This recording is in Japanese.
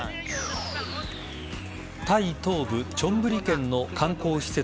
タイ東部チョンブリ県の観光施設